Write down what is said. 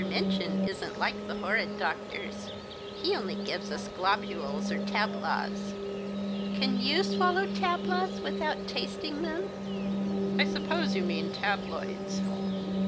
Minchin isn't like the horrid doctors. He only gives us globules or tablaws. Can you swallow tablaws without tasting them ?"'' I suppose you mean tabloids.